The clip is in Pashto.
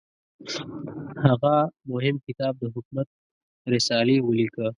هغه مهم کتاب د حکومت رسالې ولیکه.